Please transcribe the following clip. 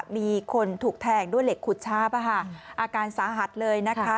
มีคนถูกแทงด้วยเหล็กขุดชาปอาการสาหัสเลยนะคะ